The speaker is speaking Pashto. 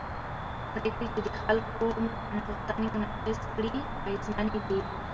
پرېکړې چې د خلکو غوښتنې منعکس کړي اغېزمنې دي